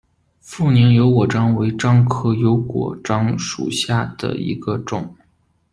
富宁油果樟为樟科油果樟属下的一个种。